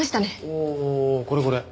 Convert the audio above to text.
おおこれこれ。